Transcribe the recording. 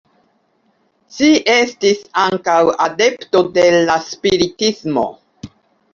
Ŝi estis ankaŭ adepto de la spiritismo.